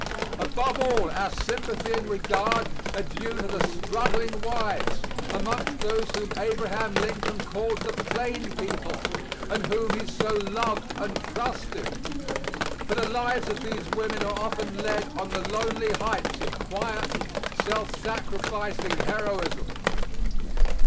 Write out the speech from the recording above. Above all our sympathy and regard are due to the struggling wives among those whom Abraham Lincoln called the plain people, and whom he so loved and trusted; for the lives of these women are often led on the lonely heights of quiet, self sacrificing heroism.